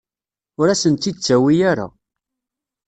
Ur asen-tt-id-ttawi ara.